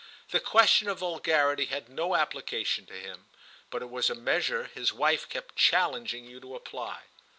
The question of vulgarity had no application to him, but it was a measure his wife kept challenging you to apply.